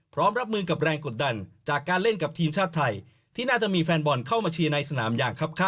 พร้อมรับมือกับแรงกดดันจากการเล่นกับทีมชาติไทย